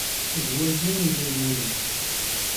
D wagi i d ayyur-nsent.